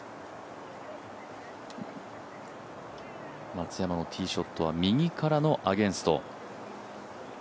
松山のティーショットは右からのアゲンスト。